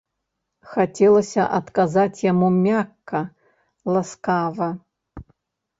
Хацелася адказаць яму мякка, ласкава.